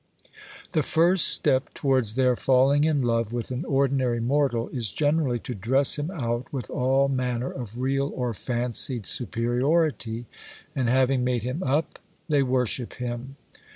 The first step towards their falling in love with an ordinary mortal is generally to dress him out with all manner of real or fancied superiority; and having made him up, they worship him.